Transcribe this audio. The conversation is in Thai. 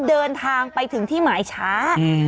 เดินทางไปถึงที่หมายช้า